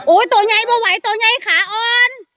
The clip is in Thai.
โอ้ยตัวใหญ่ไม่ไหวตัวใหญ่ขาอ่อน